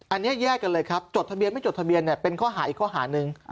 อันนี้แยกกันเลยครับจดทะเบียนไม่จดทะเบียนเป็นข้อหาอีกข้อหาหนึ่ง